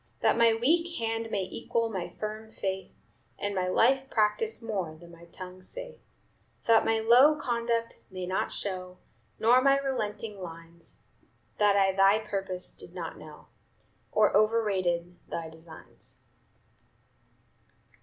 That my weak hand may equal my firm faith, And my life practice more than my tongue saith; That my low conduct may not show, Nor my relenting lines, That I thy purpose did not know, Or overrated thy designs."